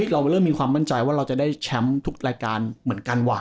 เราเริ่มมีความมั่นใจว่าเราจะได้แชมป์ทุกรายการเหมือนกันว่ะ